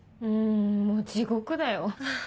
うんもう地獄だよ。